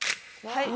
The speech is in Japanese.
はい。